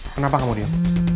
kenapa kamu diam